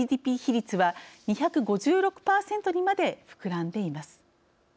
ＧＤＰ比率は２５６％にまで膨らんでいます。